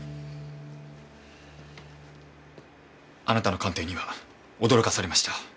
あなたの鑑定には驚かされました。